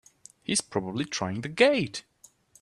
He's probably trying the gate!